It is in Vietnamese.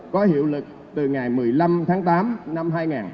có hiệu lực từ ngày một mươi năm tháng tám năm hai nghìn hai mươi